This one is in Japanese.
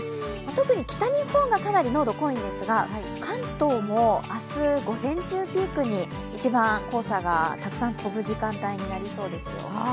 特に北日本がかなり濃度が濃いんですが関東も明日午前中をピークに一番黄砂がたくさん飛ぶ時間帯になりそうですよ。